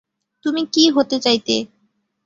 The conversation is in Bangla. তুমি কী হতে চাইতে?